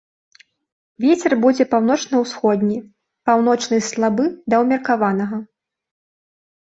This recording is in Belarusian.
Вецер будзе паўночна-ўсходні, паўночны слабы да ўмеркаванага.